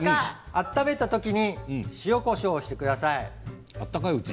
温めた時に塩、こしょうをしてください。